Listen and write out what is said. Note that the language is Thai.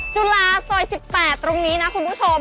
จุฬาซอย๑๘ตรงนี้นะคุณผู้ชม